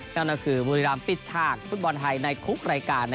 นั่นคือมูลยีรามปิดช่างฟุตบอลไทยในคุกรายการ